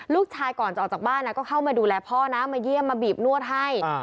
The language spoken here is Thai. ลูกชายก่อนจะออกจากบ้านก็เข้ามาดูแลพ่อนะมาเยี่ยมมาบีบนวดให้